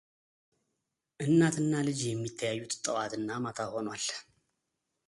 እናት እና ልጅ የሚተያዩት ጠዋት እና ማታ ሆኗል።